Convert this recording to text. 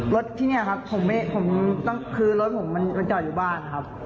รถที่นี่ครับผมคือรถผมมันจอดอยู่บ้านครับ